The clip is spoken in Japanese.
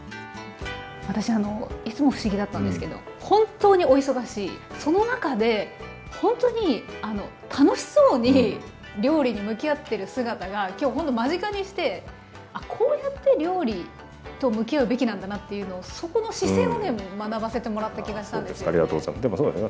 私いつも不思議だったんですけど本当にお忙しいその中でほんとに楽しそうに料理に向き合ってる姿が今日ほんと間近にしてあっこうやって料理と向き合うべきなんだなというのをそこの姿勢をね学ばせてもらった気がしたんですよね。